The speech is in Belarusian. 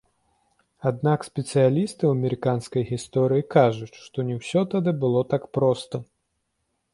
Аднак спецыялісты ў амерыканскай гісторыі кажуць, што не ўсё тады было так проста.